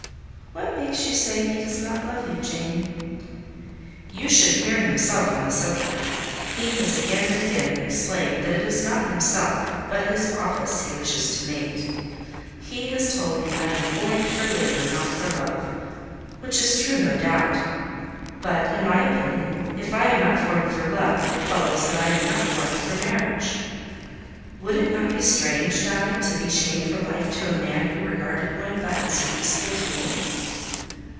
"What makes you say he does not love you, Jane?" "You should hear himself on the subject. He has again and again explained that it is not himself, but his office he wishes to mate. He has told me I am formed for labour—not for love: which is true, no doubt. But, in my opinion, if I am not formed for love, it follows that I am not formed for marriage. Would it not be strange, Die, to be chained for life to a man who regarded one but as a useful tool?"